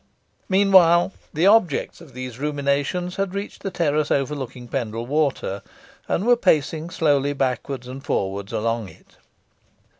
Meanwhile, the objects of these ruminations had reached the terrace overlooking Pendle Water, and were pacing slowly backwards and forwards along it.